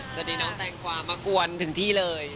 สวัสดีน้องแตงกวามากวนถึงที่เลย